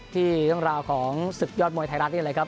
ที่ราวของศึกยอดมวยไทยรัฐนี้เลยครับ